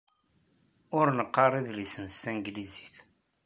Ur neqqar idlisen s tanglizit.